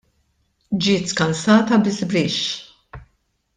Ġiet skansata bi żbrixx.